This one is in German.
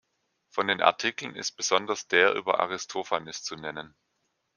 Von den Artikeln ist besonders der über Aristophanes zu nennen.